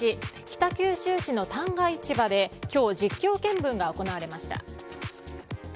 北九州市の旦過市場で今日、実況見分が行われました。